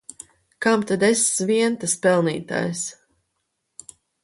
Kam tad es vien tas pelnītājs!